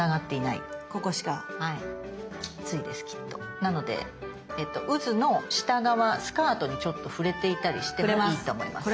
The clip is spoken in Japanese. なのでうずの下側スカートにちょっと触れていたりしてもいいと思います。